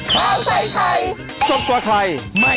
โปรดติดตามตอนต่อไป